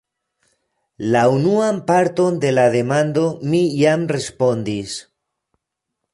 La unuan parton de la demando mi jam respondis.